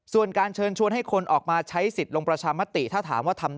ส่วนการเชิญชวนให้คนออกมาใช้สิทธิ์ลงประชามติถ้าถามว่าทำ